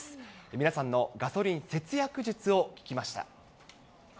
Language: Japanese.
皆さんのガソリン節約術を聞きました。